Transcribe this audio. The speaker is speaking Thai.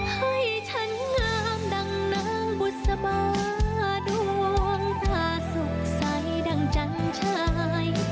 ให้ฉันงามดังน้องบุษบาดวงตาสุขใสดังจังชาย